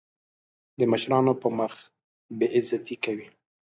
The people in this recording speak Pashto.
د مشرانو په مخ بې عزتي کوي.